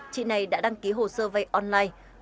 chị này đã đăng ký hồ sơ vay online